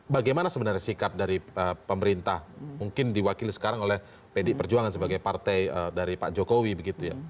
bagaimana sebenarnya sikap dari pemerintah mungkin diwakili sekarang oleh pd perjuangan sebagai partai dari pak jokowi begitu ya